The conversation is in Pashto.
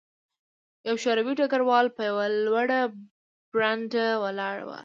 یو شوروي ډګروال په یوه لوړه برنډه ولاړ و